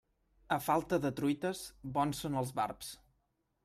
A falta de truites, bons són els barbs.